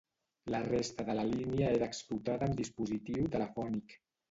La resta de la línia era explotada amb dispositiu telefònic.